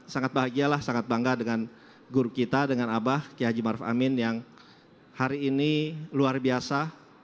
sangat bahagialah sangat bangga dengan guru kita dengan abah kia haji maruf amin yang hari ini luar biasa